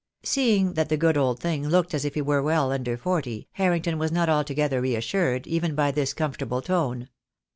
Seeing that the good old thing looked as if he were well under forty, Harrington was not altogether reassured, even by this comfortable tone.